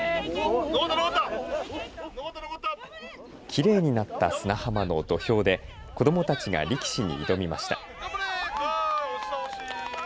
きれいになった砂浜の土俵で子どもたちが力士に挑みました。